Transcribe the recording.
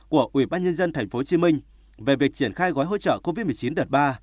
của ủy ban nhân dân tp hcm về việc triển khai gói hỗ trợ covid một mươi chín đợt ba